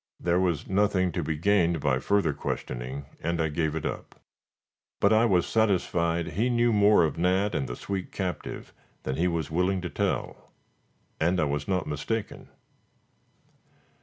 There was nothing to be gained by further questioning, and I gave it up. But I was satisfied he knew more of Nat and the sweet captive than he was willing to tell and I was not mistaken.